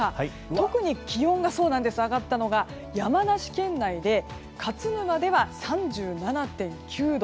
特に気温が上がったのが、山梨県内で勝沼では３７．９度。